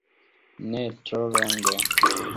Ne tro longe.